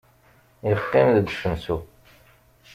Yeqqim deg usensu.